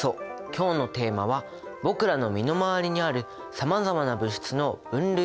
今日のテーマは僕らの身の回りにあるさまざまな物質の分類について。